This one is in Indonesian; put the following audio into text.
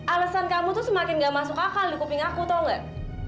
alasan kamu itu semakin nggak masuk akal di kuping aku tahu nggak